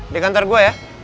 di kantar gue ya